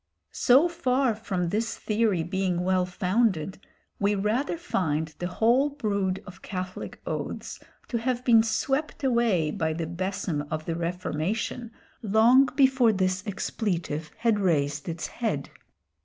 So far from this theory being well founded, we rather find the whole brood of Catholic oaths to have been swept away by the besom of the Reformation long before this expletive had raised its head.